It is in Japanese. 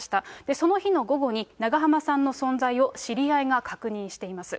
その日の午後に長濱さんの存在を知り合いが確認しています。